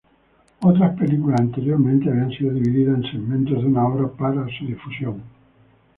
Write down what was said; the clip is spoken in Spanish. Otras películas anteriormente habían sido divididas en segmentos de una hora para su difusión.